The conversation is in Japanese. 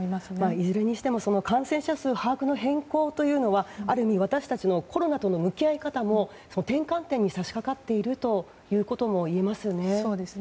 いずれにしても感染者数の把握の変更というのはある意味、私たちのコロナとの向き合い方も転換点に差し掛かっているということも言えますね。